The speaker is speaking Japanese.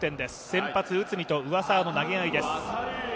先発・内海と上沢の投げ合いです。